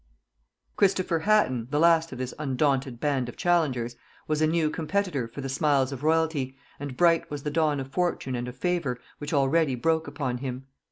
Christopher Hatton, the last of this undaunted band of challengers, was a new competitor for the smiles of royalty, and bright was the dawn of fortune and of favor which already broke upon him.